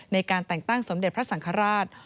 ในการแต่งตั้งสมเด็จพระสังฆราช